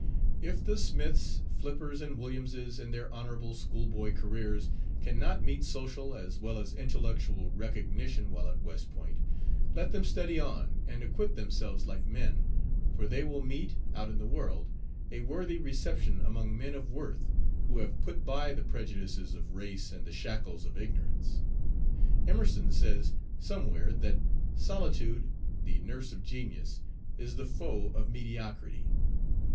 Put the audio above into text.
. If the Smiths, Flippers, and Williamses in their honorable school boy careers can not meet social as well as intellectual recognition while at West Point, let them study on and acquit themselves like men, for they will meet, out in the world, a worthy reception among men of worth, who have put by the prejudices of race and the shackles of ignorance. Emerson says somewhere that "Solitude, the nurse of Genius, is the foe of mediocrity."